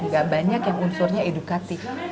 gak banyak yang unsurnya edukatif